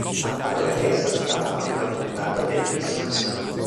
Ha fatto da guest star in una puntata de "I Simpson".